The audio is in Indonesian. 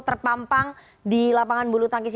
terpampang di lapangan bulutangkis